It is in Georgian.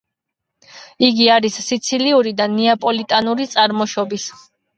იგი არის სიცილიური და ნეაპოლიტანური წარმოშობის.